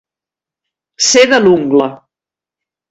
Ser de l'ungla.